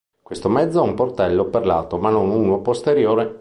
Questo mezzo ha un portello per lato ma non uno posteriore.